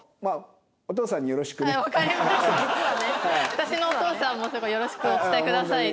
私のお父さんも「よろしくお伝えください」って。